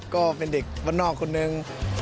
ก็เป็นเด็กวันนอกคนหนึ่ง